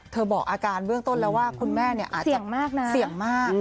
เธอบอกอาการเบื้องต้นแล้วว่าคุณแม่เนี่ยอาจจะเสี่ยงมาก